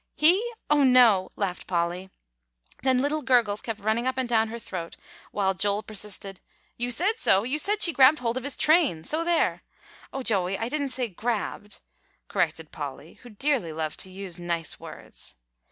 "He? oh, no!" laughed Polly; then little gurgles kept running up and down her throat, while Joel persisted, "You said so; you said she grabbed hold of his train, so there." "O Joey, I didn't say 'grabbed,'" corrected Polly who dearly loved to use nice words.